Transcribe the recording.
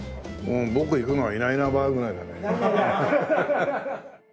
うん僕行くのはいないいないばあぐらいだね。